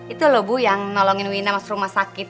itu loh bu yang nolongin wina masuk rumah sakit